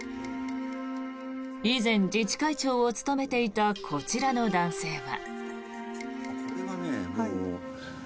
以前、自治会長を務めていたこちらの男性は。